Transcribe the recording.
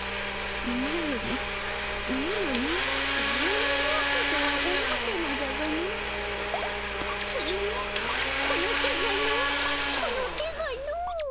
マロのマロのやめようかとは思うたのじゃがのついのこの手がのこの手がの。